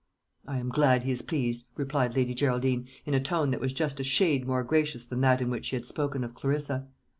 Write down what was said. "I am glad he is pleased," replied Lady Geraldine, in a tone that was just a shade more gracious than that in which she had spoken of Clarissa.